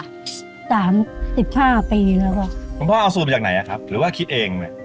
สามสิบห้าปีแล้วครับคุณพ่อเอาสูตรมาจากไหนอ่ะครับหรือว่าคิดเองเนี่ย